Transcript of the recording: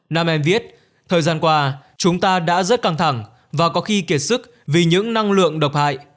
nam em viết thời gian qua chúng ta đã rất căng thẳng và có khi kiệt sức vì những năng lượng độc hại